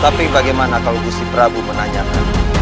tapi bagaimana kalau gusi prabu menanyakan